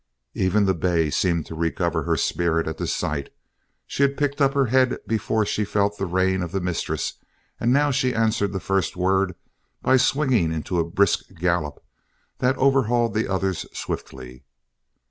Even the bay seemed to recover her spirit at the sight. She had picked up her head before she felt the rein of the mistress and now she answered the first word by swinging into a brisk gallop that overhauled the others swiftly.